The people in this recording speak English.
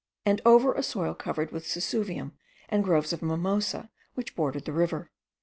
and over a soil covered with sesuvium, and groves of mimosa which bordered the river.